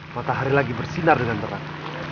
matahari lagi bersinar dengan terang